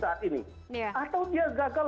saat ini atau dia gagal